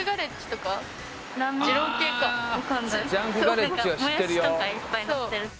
すごくなんかもやしとかいっぱいのってる。